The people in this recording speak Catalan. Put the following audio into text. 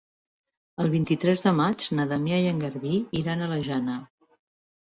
El vint-i-tres de maig na Damià i en Garbí iran a la Jana.